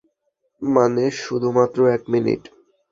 মানে শুধু মাত্র এক মিনিট?